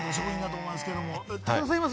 武田さんいます？